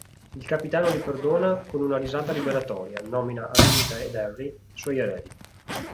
Il capitano li perdona con una risata liberatoria, nomina Aminta ed Henry suoi eredi.